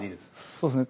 そうですね。